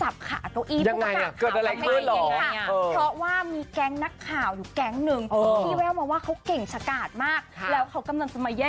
ผู้จับขาดโออีดบุกการ์ขากา